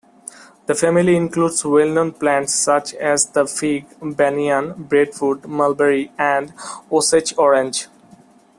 The family includes well-known plants such as the fig, banyan, breadfruit, mulberry, and Osage-orange.